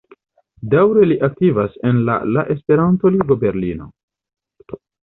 Daŭre li aktivas en la la Esperanto-Ligo Berlino.